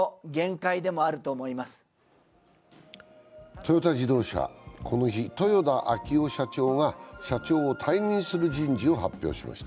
トヨタ自動車、この日、豊田章男社長が社長を退任する人事を発表しました。